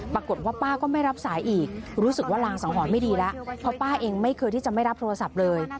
ปรากฏว่าป้าก็ไม่รับสายอีกรู้สึกว่ารางสังหรณ์ไม่ดีแล้วเพราะป้าเองไม่เคยที่จะไม่รับโทรศัพท์เลย